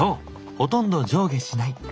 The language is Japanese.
ほとんど上下しない。